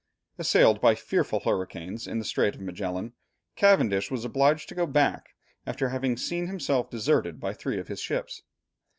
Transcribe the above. Assailed by fearful hurricanes in the Strait of Magellan, Cavendish was obliged to go back, after having seen himself deserted by three of his ships.